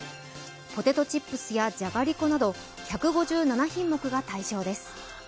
ポテトチップスやじゃがりこなど１５７品目が対象です。